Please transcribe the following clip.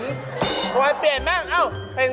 ทำไมเปลี่ยนแม่งเอ้า